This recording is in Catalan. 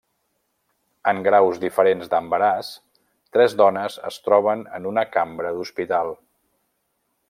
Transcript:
En graus diferents d'embaràs, tres dones es troben en una cambra d'hospital.